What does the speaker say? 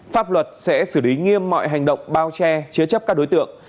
pháp luật sẽ xử lý nghiêm mọi hành động bao che chứa chấp các đối tượng